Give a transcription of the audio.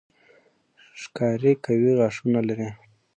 ښکاري قوي غاښونه لري.